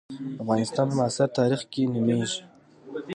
افغانستان په معاصر تاریخ کې نومېږي.